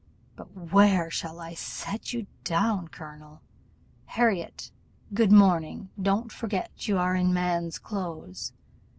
But where shall I set you down, colonel? Harriot, good morning: don't forget you are in man's clothes.